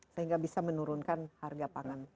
sehingga bisa menurunkan harga pangan